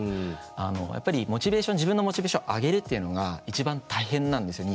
あのやっぱりモチベーション自分のモチベーション上げるっていうのが一番大変なんですよ